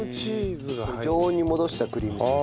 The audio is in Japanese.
常温に戻したクリームチーズ。